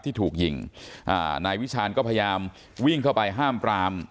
ที่ถูกยิงอ่านายวิชาญก็พยายามวิ่งเข้าไปห้ามปราม